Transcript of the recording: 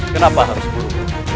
kenapa harus thenu